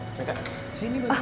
ketemu lagi di depan mereka